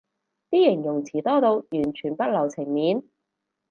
啲形容詞多到完全不留情面